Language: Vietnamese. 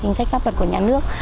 hình sách pháp luật của nhà nước